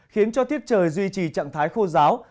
khiến cho thiết trời duy trì trạng thái khô giáo